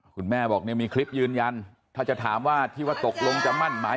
คุณแม่บอกเนี่ยมีคลิปยืนยันถ้าจะถามว่าที่ว่าตกลงจะมั่นหมาย